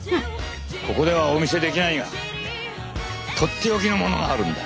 ここではお見せできないがとっておきのものがあるんだ。